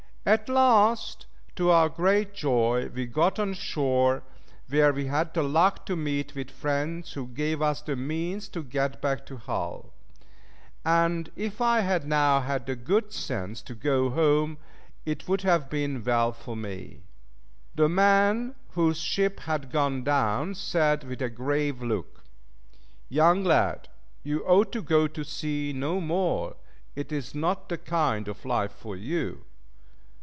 At last to our great joy we got on shore, where we had the luck to meet with friends who gave us the means to get back to Hull; and if I had now had the good sense to go home, it would have been well for me. The man whose ship had gone down said with a grave look, "Young lad, you ought to go to sea no more, it is not the kind, of life for you."